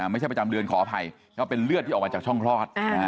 ประจำเดือนขออภัยก็เป็นเลือดที่ออกมาจากช่องคลอด